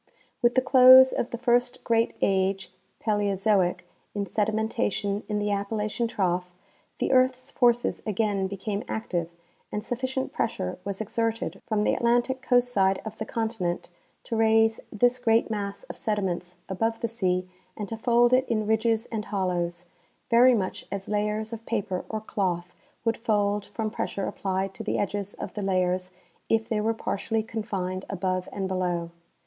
^^'"ith the close of the first great age (Paleozoic) in sedi nientation in the Appalachian trough, the earth's forces again became active, and sufficient pressure was exerted from the Atlantic coast side of the continent to raise this great mass of sediments above the sea and to fold it in ridges and hollows, very much as layers of paper or cloth would fold from pressure applied to the edges of the layers if they were partially confined above and below.